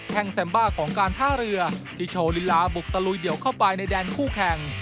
แห่งแซมบ้าของการท่าเรือที่โชว์ลีลาบุกตะลุยเดี่ยวเข้าไปในแดนคู่แข่ง